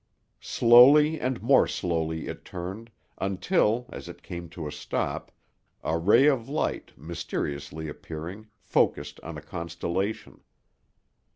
Slowly and more slowly it turned, until, as it came to a stop, a ray of light, mysteriously appearing, focused on a constellation.